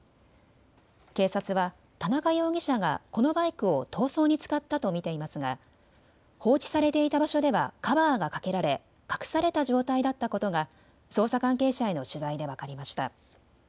警察は田中容疑者がこのバイクを逃走に使ったと見ていますが放置されていた場所ではカバーがかけられ隠された状態だったことが捜査関係者への取材で分かりました。